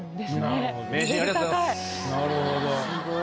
なるほど。